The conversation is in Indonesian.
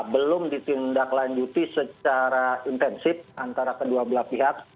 belum ditindaklanjuti secara intensif antara kedua belah pihak